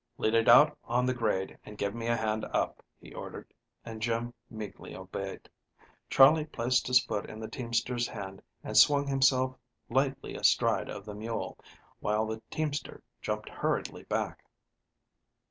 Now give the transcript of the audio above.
"Lead it out on the grade and give me a hand up," he ordered, and Jim meekly obeyed. Charley placed his foot in the teamster's hand and swung himself lightly astride of the mule, while the teamster jumped hurriedly back.